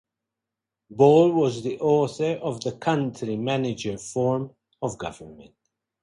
Ball was the author of the "County Manager Form of Government".